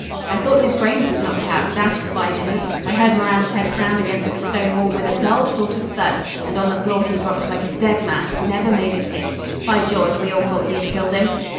I thought his brains was knocked out, dashed if I didn't. I heard Moran's head sound against the stone wall with a dull sort of thud; and on the floor he drops like a dead man never made a kick. By George! we all thought he had killed him.